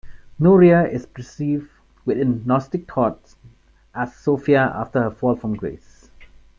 Norea is perceived within gnostic thought as Sophia after her fall from grace.